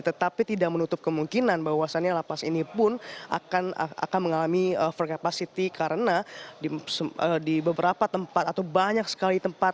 tetapi tidak menutup kemungkinan bahwasannya lapas ini pun akan mengalami over capacity karena di beberapa tempat atau banyak sekali tempat